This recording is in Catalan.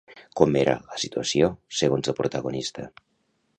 Com era la situació, segons el protagonista?